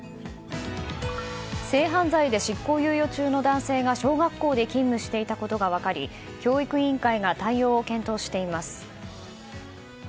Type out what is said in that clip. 性犯罪で執行猶予中の男性が小学校で勤務していたことが分かり、教育委員会が対応を検討しています。